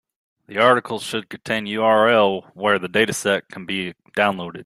The article should contain URL where the dataset can be downloaded.